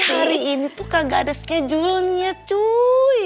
tapi hari ini tuh kagak ada schedule nya cuy